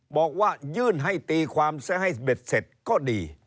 บอกว่ายื่นให้ตีความซะให้เบ็ดเสร็จก็ดี